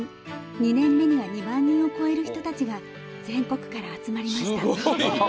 ２年目には２万人を超える人たちが全国から集まりました。